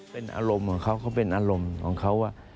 เป็นอารมณ์ของเขาเขาเป็นอารมณ์ของเขา